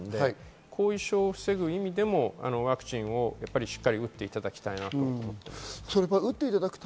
後遺症を防ぐ意味でもワクチンをしっかり打っていただきたいと思います。